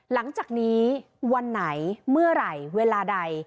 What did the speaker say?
หลังจากนี้วันไหนเมื่อไหร่เวลาใด